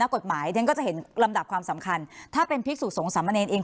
กฎหมายฉันก็จะเห็นลำดับความสำคัญถ้าเป็นภิกษุสงสามเนรเอง